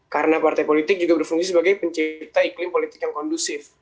karena partai politik juga berfungsi sebagai pencipta iklim politik yang kondusif